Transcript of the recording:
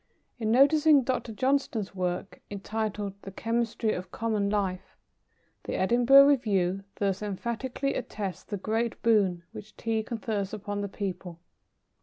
In noticing Dr. Johnston's work, entitled "The Chemistry of Common Life," the Edinburgh Review thus emphatically attests the great boon which Tea confers upon the people.